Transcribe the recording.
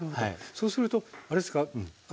そうするとあれですか？